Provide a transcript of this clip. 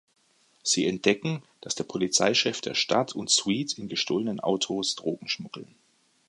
Sie entdecken, dass der Polizeichef der Stadt und Sweet in gestohlenen Autos Drogen schmuggeln.